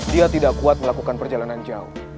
dia tidak kuat melakukan perjalanan jauh